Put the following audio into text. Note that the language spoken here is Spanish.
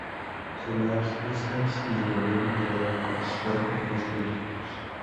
Solar Systems y el gobierno federal participaron en los proyectos.